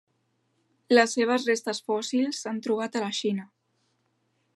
Les seves restes fòssils s'han trobat a la Xina.